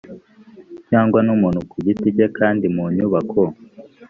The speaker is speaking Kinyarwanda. cyangwa n umuntu ku giti cye kandi mu nyubako